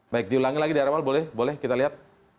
baik diulangi lagi dari awal boleh boleh kita lihat